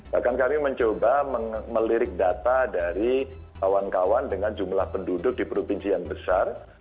bahkan kami mencoba melirik data dari kawan kawan dengan jumlah penduduk di provinsi yang besar